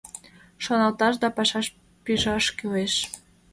Шоналташ да пашаш пижаш кӱлеш.